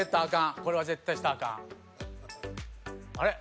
これは絶対したらアカンあれ？